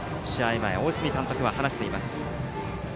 前大角監督は話しています。